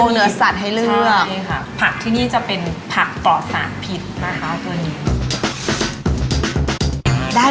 มาอย่ารอช้าค่ะ